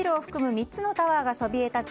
３つのタワーがそびえ立つ